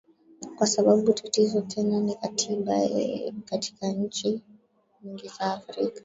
kwa sababu tatizo tena ni katiba eeh eh katika nchi nyingi za afrika